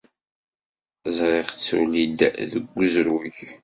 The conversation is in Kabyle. Ẓriɣ-tt tuli-d deg uzrug.